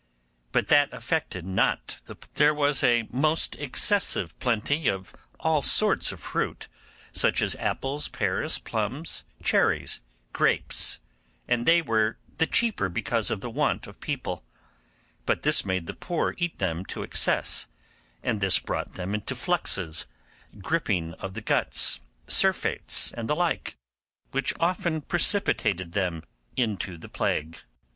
But that affected not the poor. There was a most excessive plenty of all sorts of fruit, such as apples, pears, plums, cherries, grapes, and they were the cheaper because of the want of people; but this made the poor eat them to excess, and this brought them into fluxes, griping of the guts, surfeits, and the like, which often precipitated them into the plague.